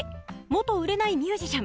売れないミュージシャン